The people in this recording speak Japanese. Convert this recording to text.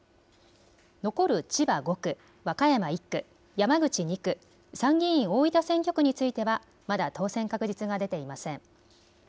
残る千葉５区、和歌山１区、山口２区、参議院大分選挙区についてはまだ当選確実が出ていません。